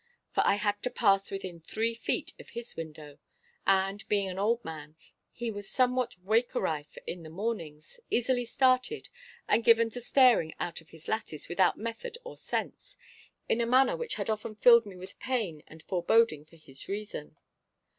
For I had to pass within three feet of his window, and, being an old man, he was somewhat wakerife in the mornings, easily started, and given to staring out of his lattice without method or sense, in a manner which had often filled me with pain and foreboding for his reason.